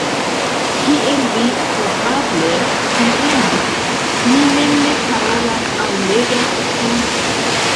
Kiel vi probable komprenis, mi mem ne parolas aŭ legas Esperanton.